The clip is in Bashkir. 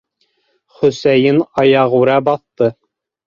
Хөсәйен аяғүрә баҫты.